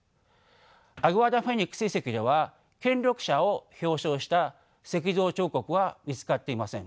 アグアダ・フェニックス遺跡では権力者を表象した石造彫刻は見つかっていません。